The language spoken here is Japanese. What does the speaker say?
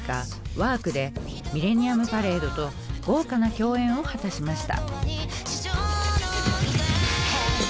「Ｗ●ＲＫ」でｍｉｌｌｅｎｎｉｕｍｐａｒａｄｅと豪華な共演を果たしました。